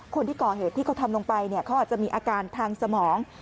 คนที่ก่อเหตุที่เขาทำลงไปเขาอาจจะมีอาการทางสมอง